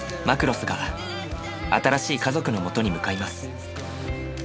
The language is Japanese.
マクロスが新しい家族のもとに向かいます。